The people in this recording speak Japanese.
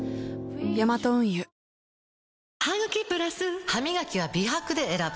ヤマト運輸ハミガキは美白で選ぶ！